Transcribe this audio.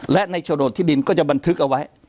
และในโฉนดที่ดินก็จะบันทึกเอาไว้